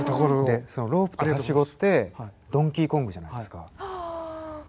そのロープとハシゴって「ドンキーコング」じゃないですか。